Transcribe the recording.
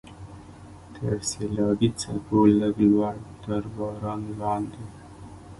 تر سیلابي څپو لږ لوړ، تر باران لاندې.